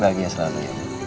bahagia selalu ya